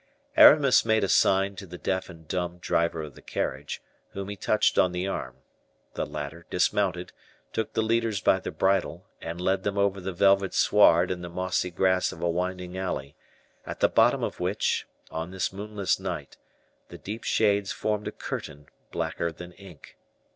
Aramis made a sign to the deaf and dumb driver of the carriage, whom he touched on the arm. The latter dismounted, took the leaders by the bridle, and led them over the velvet sward and the mossy grass of a winding alley, at the bottom of which, on this moonless night, the deep shades formed a curtain blacker than ink.